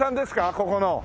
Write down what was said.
ここの。